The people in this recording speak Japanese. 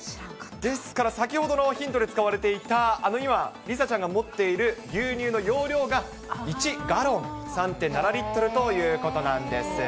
ですから、先ほどのヒントで使われていた、あの今、梨紗ちゃんが持っている牛乳の容量が１ガロン、３．７リットルということなんです。